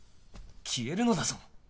消えるのだぞ？